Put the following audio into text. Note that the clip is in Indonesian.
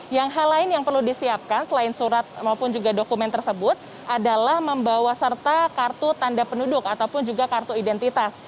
yang hal lain yang perlu disiapkan selain surat maupun juga dokumen tersebut adalah membawa serta kartu tanda penduduk ataupun juga kartu identitas